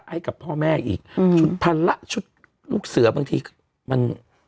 ให้กับพ่อแม่อีกอืมชุดพันละชุดลูกเสือบางทีมัน